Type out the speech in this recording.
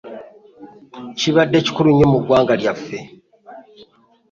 Kibadde kikulu nnyo mu ggwanga lyaffe.